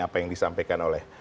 apa yang disampaikan oleh